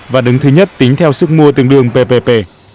và đứng thứ nhất tính theo sức mua tương đương ppp